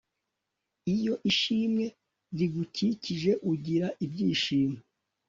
iyo ishimwe rigukikije ugira ibyishimo